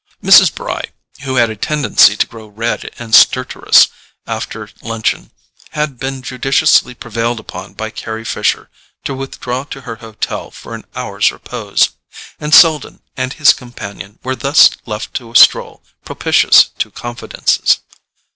Mrs. Bry, who had a tendency to grow red and stertorous after luncheon, had been judiciously prevailed upon by Carry Fisher to withdraw to her hotel for an hour's repose; and Selden and his companion were thus left to a stroll propitious to confidences.